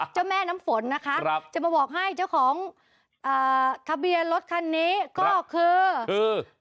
เจ้าแม่น้ำฝนนะคะครับจะมาบอกให้เจ้าของอ่าทะเบียนรถคันนี้ก็คือเออ